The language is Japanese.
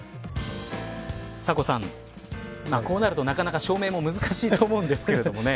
サコさん、こうなるとなかなか証明も難しいと思うんですけど。